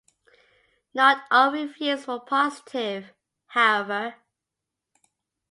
Not all reviews were positive, however.